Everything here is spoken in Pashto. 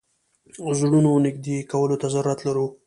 زړونو نېږدې کولو ته ضرورت لرو.